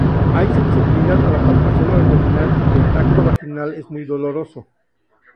Hay sensibilidad a la palpación abdominal, y el tacto vaginal es muy doloroso.